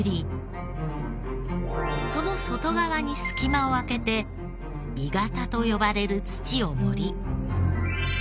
その外側に隙間を空けて鋳型と呼ばれる土を盛り。